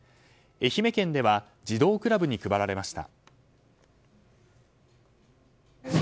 愛媛県では児童クラブに配られました。